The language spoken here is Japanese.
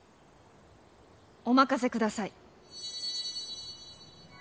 お任せください。